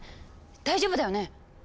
大丈夫だよね？